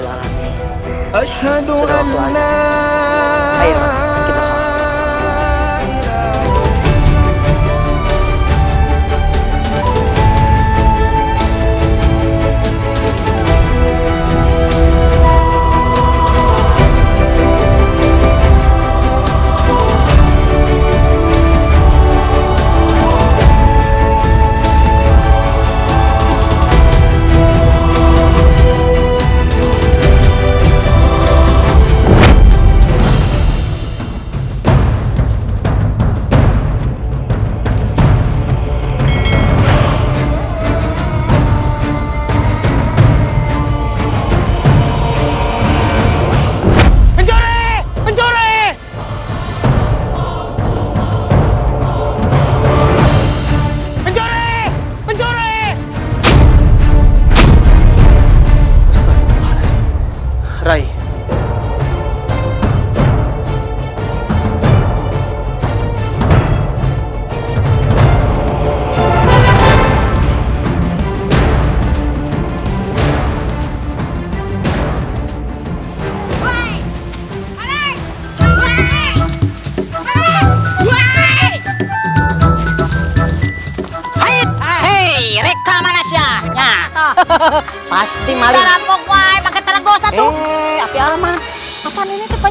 jangan perceraian rade